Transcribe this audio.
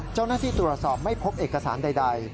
เจ้าหน้าที่ตรวจสอบไม่พบเอกสารใด